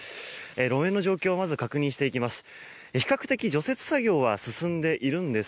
路面の状況をまず確認していきます。